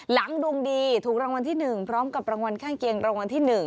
ดวงดีถูกรางวัลที่๑พร้อมกับรางวัลข้างเคียงรางวัลที่๑